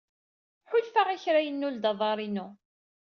Ḥulfaɣ i kra yennul-d aḍar-inu.